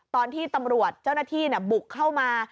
ตอนที่ตำรวจเจ้าหน้าที่บุกเข้ามา